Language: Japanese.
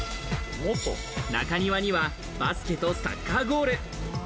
中庭には、バスケとサッカーゴール。